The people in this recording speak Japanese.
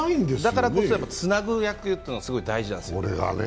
だからこそつなぐ役というのがすごい大事なんです。